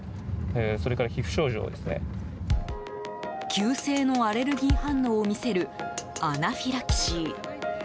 急性のアレルギー反応を見せるアナフィラキシー。